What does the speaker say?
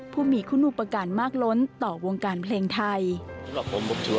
ผู้มีคุณอุปการณ์มากล้นต่อวงการเพลงไทย